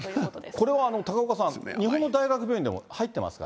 これは高岡さん、日本の大学病院でも入ってますか？